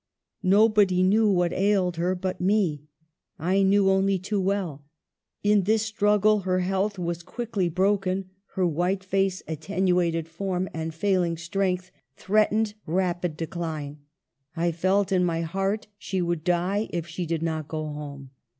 Nobody knew what ailed her but me. I knew only too well. In this struggle her health was quickly broken : her white face, attenuated form, 7<5 EMILY BRONTE. and failing strength threatened rapid decline. I felt in my heart she would die if she did not go home."